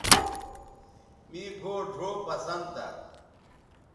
مے گھؤ ڙھؤ پسند تھا